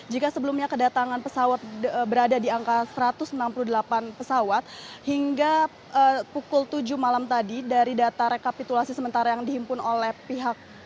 jika sebelumnya kedatangan pesawat berada di angka satu ratus enam puluh delapan pesawat hingga pukul tujuh malam tadi dari data rekapitulasi sementara yang dihimpun oleh pihak